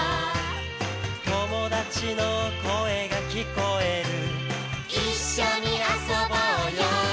「友達の声が聞こえる」「一緒に遊ぼうよ」